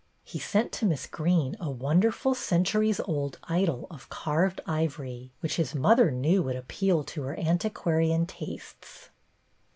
He sent to Miss Greene a wonderful centuries old idol of carved ivory, which his mother knew would appeal to her antiquarian tastes.